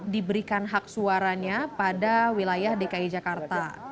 diberikan hak suaranya pada wilayah dki jakarta